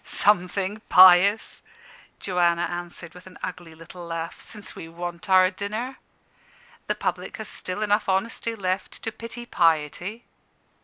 "Something pious," Joanna answered with an ugly little laugh, "since we want our dinner. The public has still enough honesty left to pity piety."